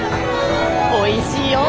おいしいよ。